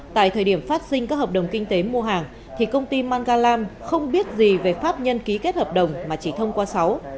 tại thời điểm phát sinh các hợp đồng kinh tế mua hàng thì công ty magalam không biết gì về pháp nhân ký kết hợp đồng mà chỉ thông qua sáu